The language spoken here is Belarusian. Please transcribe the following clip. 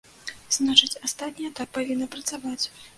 Значыць, астатнія так павінны працаваць.